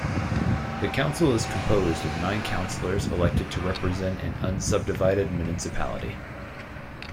The council is composed of nine councillors elected to represent an unsubdivided municipality.